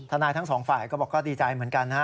ธนายทั้งสองฝ่ายก็บอกว่าดีใจเหมือนกัน